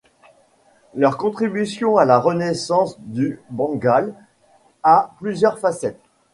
Leur contribution à la Renaissance du Bengale a plusieurs facettes.